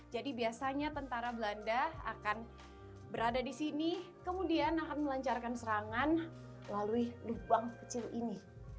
biasanya tentara belanda akan berada di sini kemudian akan melancarkan serangan lalui lubang kecil ini